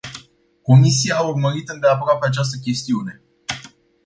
Comisia a urmărit îndeaproape această chestiune.